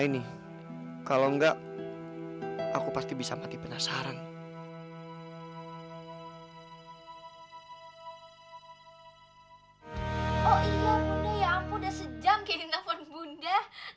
ini kalau enggak aku pasti bisa mati penasaran oh iya bunda ya ampun udah sejam kini telepon bunda